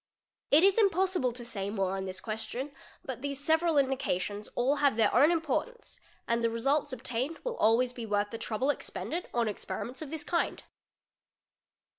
It is impossible to say more on this question, bu these several indications all have their own importance and the result obtained will always be worth the trouble expended on experiments ¢ this kind.